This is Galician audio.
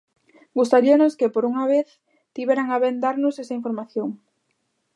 Gustaríanos que, por unha vez, tiveran a ben darnos esa información.